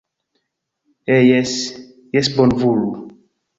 Eh jes, jes bonvolu